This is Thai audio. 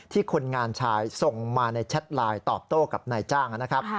คนงานชายส่งมาในแชทไลน์ตอบโต้กับนายจ้างนะครับ